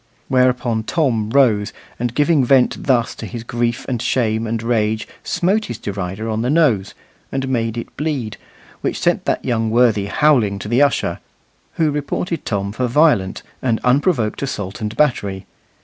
Whereupon Tom arose, and giving vent thus to his grief and shame and rage, smote his derider on the nose; and made it bleed; which sent that young worthy howling to the usher, who reported Tom for violent and unprovoked assault and battery.